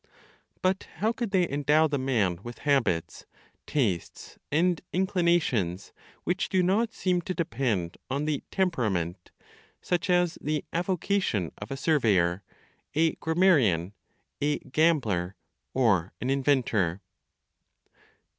But how could they endow the man with habits, tastes, and inclinations which do not seem to depend on the temperament, such as the avocation of a surveyor, a grammarian, a gambler, or an inventor?